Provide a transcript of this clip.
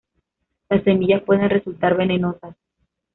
Las semillas pueden resultar venenosas.